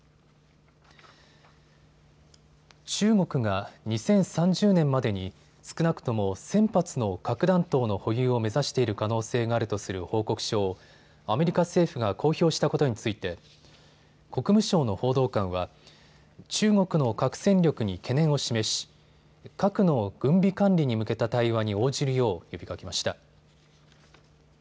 中国が２０３０年までに少なくとも１０００発の核弾頭の保有を目指している可能性があるとする報告書をアメリカ政府が公表したことについて国務省の報道官は中国の核戦力に懸念を示し核の軍備管理に向けた対話に応じるよう呼びかけました。